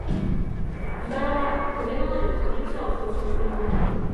「茨」はとげのある、つる草を総称したもの